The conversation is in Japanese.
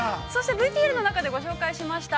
ＶＴＲ中で紹介しました